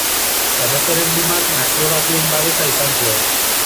Erreferendumak Nazio Batuen babesa izan zuen.